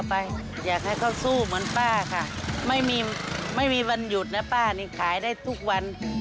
ป้าอวนก็ไม่ว่าค่ะ